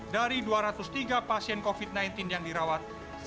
dari dua ratus tiga pasien covid sembilan belas yang dirawat